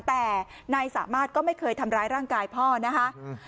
แต่นายสามารถก็ไม่เคยทำร้ายร่างกายพ่อนะคะ